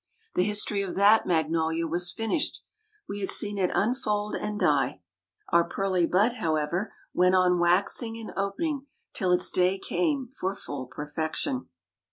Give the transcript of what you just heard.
The history of that magnolia was finished. We had seen it unfold and die. Our pearly bud, however, went on waxing and opening till its day came for full perfection.